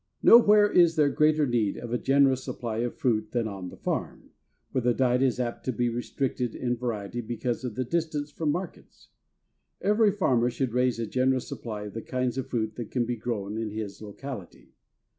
Nowhere is there greater need of a generous supply of fruit than on the farm, where the diet is apt to be restricted in variety because of the distance from markets. Every farmer should raise a generous supply of the kinds of fruit that can be grown in his locality.